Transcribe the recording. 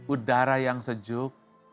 udara yang sejuk